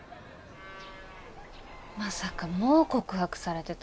まさかもう告白されてたなんて。